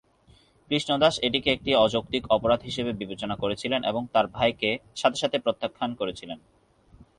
কৃষ্ণ দাস এটিকে একটি অযৌক্তিক অপরাধ হিসাবে বিবেচনা করেছিলেন এবং তার ভাইকে সাথে সাথে প্রত্যাখ্যান করেছিলেন।